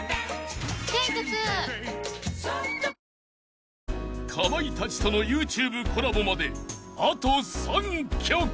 ペイトク［かまいたちとのＹｏｕＴｕｂｅコラボまであと３曲］